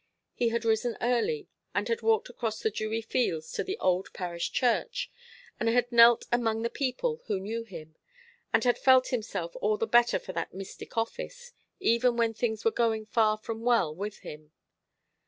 He had risen early, and had walked across the dewy fields to the old parish church, and had knelt among the people who knew him, and had felt himself all the better for that mystic office, even when things were going far from well with him.